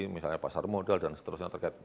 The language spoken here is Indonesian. misalnya pasar modal dan seterusnya terkait